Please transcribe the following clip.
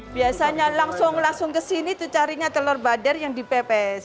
biasanya langsung langsung ke sini tuh carinya telur badar yang dipepes